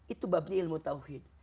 itu babnya ilmu tauhid